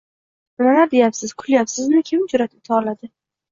- Nimalar deyapsiz, kulyapsizmi, kim jur’at eta oladi?